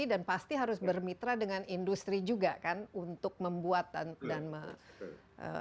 dan pasti harus bermitra dengan industri juga kan untuk membuat dan merakit lalu